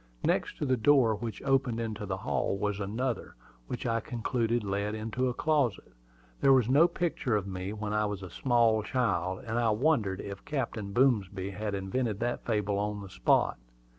Next to the door which opened into the hall was another, which I concluded led into a closet. There was no picture of me when I was a small child; and I wondered if Captain Boomsby had invented that fable on the spot.